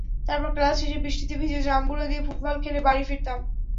তারপর ক্লাস শেষে বৃষ্টিতে ভিজে জাম্বুরা দিয়ে ফুটবল খেলে বাড়ি ফিরতাম।